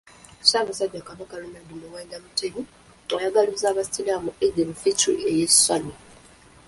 Ssaabasajja Kabaka Ronald Muwenda Mutebi, ayagalizza Abasiraamu Eid el Fitri ey'essanyu